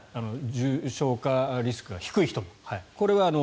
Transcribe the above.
重症化リスクが低い時にも。